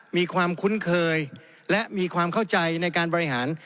มีความคุ้นเคยและมีความเข้าใจในการบริหาร